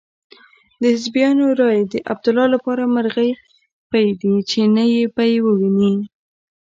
د حزبیانو رایې د عبدالله لپاره مرغۍ پۍ دي چې نه به يې وویني.